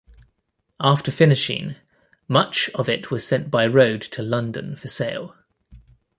After finishing, much of it was sent by road to London for sale.